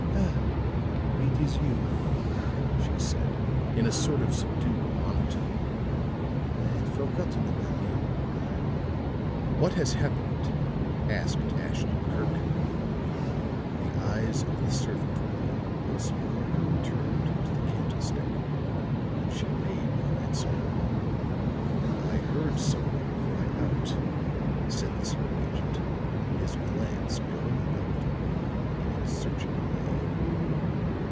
"Ah, it is you," she said in a sort of subdued monotone. "I had forgotten about you." "What has happened?" asked Ashton Kirk. The eyes of the servant woman once more returned to the candlestick, but she made no answer. "I heard some one cry out," said the secret agent, his glance going about the room in its searching way.